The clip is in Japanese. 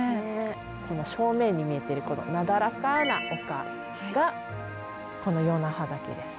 この正面に見えてるこのなだらかな丘がこの与那覇岳です。